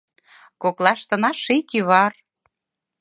Коклаштына ший кӱвар